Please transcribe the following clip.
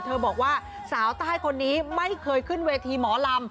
บอกว่าสาวใต้คนนี้ไม่เคยขึ้นเวทีหมอลำ